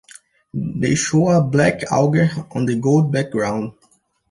They show a black auger on a gold background.